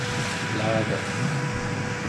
elagaq